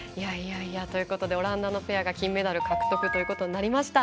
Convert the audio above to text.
オランダのペアが金メダル獲得ということになりました。